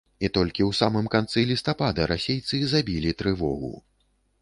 І толькі ў самым канцы лістапада расейцы забілі трывогу.